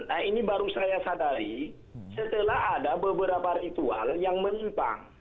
nah ini baru saya sadari setelah ada beberapa ritual yang menumpang